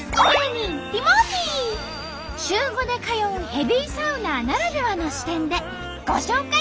週５で通うヘビーサウナーならではの視点でご紹介！